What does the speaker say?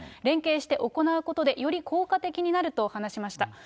連携して行うことでより効果的になると話しました。